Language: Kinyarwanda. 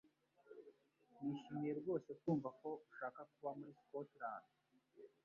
Nishimiye rwose kumva ko ushaka kuba muri Scotland.